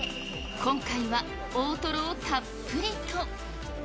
今回は大トロをたっぷりと。